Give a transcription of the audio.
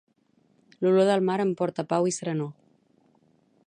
L'olor del mar em porta pau i serenor.